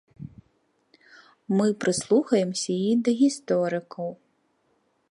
Мы прыслухаемся і да гісторыкаў.